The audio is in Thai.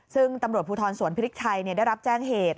ซึ่งตำรวจภูทรสวนพริกไทยได้รับแจ้งเหตุ